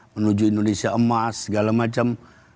menuju indonesia emas segala macam